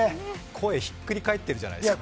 声、ひっくり返ってるじゃないですか。